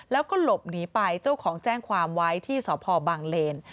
แล้วก็หลบหนีไปเจ้าของแจ้งความไว้ที่สพบางเลน